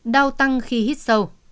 đau tăng khi hít sâu